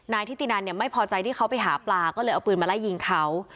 ทิตินันเนี่ยไม่พอใจที่เขาไปหาปลาก็เลยเอาปืนมาไล่ยิงเขา